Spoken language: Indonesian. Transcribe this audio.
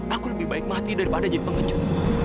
aku lebih baik mati daripada jadi pengecut